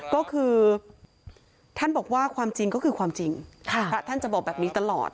ก็คือท่านบอกว่าความจริงก็คือความจริงพระท่านจะบอกแบบนี้ตลอด